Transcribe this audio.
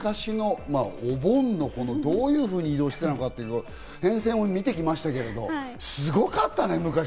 あと森迫さん、昔のお盆の、どういうふうに移動していたのか変遷を見てきましたけど昔、すごかったね。